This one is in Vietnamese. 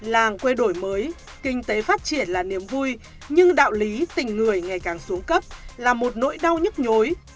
làng quê đổi mới kinh tế phát triển là niềm vui nhưng đạo lý tình người ngày càng xuống cấp là một nỗi đau nhức nhối